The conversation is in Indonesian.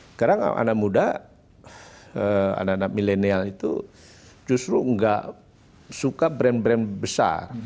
sekarang anak muda anak anak milenial itu justru nggak suka brand brand besar